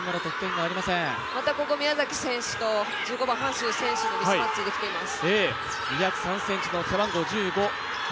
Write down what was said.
またここ宮崎選手と１５番・韓旭選手のミスマッチができています。